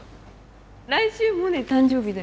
来週モネ誕生日だよね？